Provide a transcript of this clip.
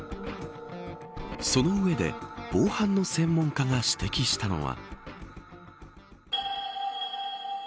その上で防犯の専門家が指摘したのは。